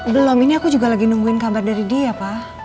belum ini aku juga lagi nungguin kabar dari dia pak